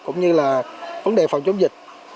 cũng như là vấn đề phòng chống dịch